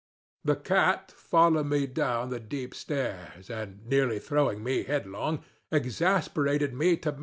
The cat followed me down the steep stairs, and, nearly throwing me headlong, exasperated me to madness.